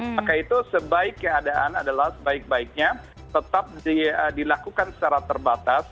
maka itu sebaik keadaan adalah sebaik baiknya tetap dilakukan secara terbatas